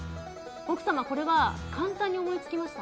奥様、これは簡単に思いつきますか？